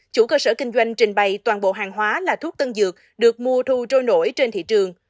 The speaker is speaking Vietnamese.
chủ cơ sở kinh doanh trình bày toàn bộ hàng hóa là thuốc tân dược được mua thu trôi nổi trên thị trường